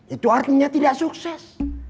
itu artinya tidak sukses